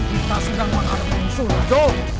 kita sudah mengharapkan unsur joe